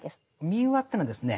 民話ってのはですね